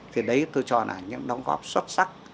thì đấy tôi cho là những đóng góp xuất sắc